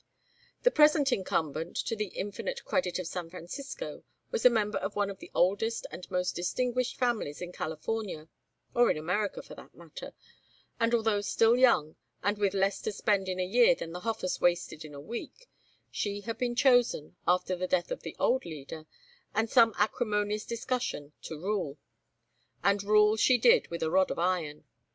The present incumbent, to the infinite credit of San Francisco, was a member of one of the oldest and most distinguished families in California; or in America, for that matter; and although still young, and with less to spend in a year than the Hofers wasted in a week, she had been chosen, after the death of the old leader, and some acrimonious discussion, to rule; and rule she did with a rod of iron.